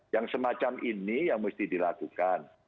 yang semacam ini yang mesti dilakukan